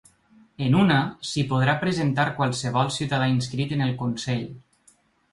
En una, s’hi podrà presentar qualsevol ciutadà inscrit en el consell.